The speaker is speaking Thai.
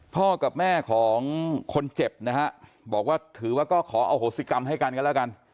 พ่อกับแม่ของคนเจ็บนะฮะบอกว่าถือว่าก็ขออโหสิกรรมให้กันกันแล้วกัน